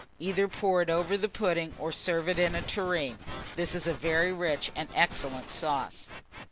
Either pour it over the pudding, or serve in a tureen. This is a very rich and excellent sauce.